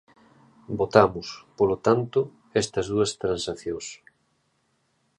Votamos, polo tanto, estas dúas transaccións.